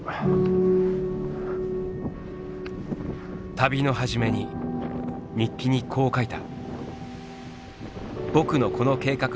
旅の初めに日記にこう書いた。